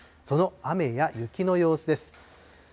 その雨や雪の様子です。